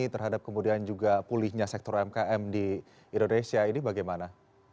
terhadap kemudian juga pulihnya sektor umkm di indonesia ini bagaimana